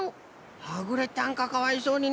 はぐれたんかかわいそうにな。